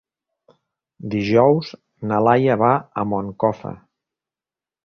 Dijous na Laia va a Moncofa.